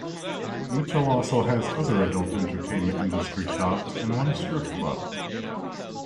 Mitchell also has other adult entertainment industry shops and one strip club.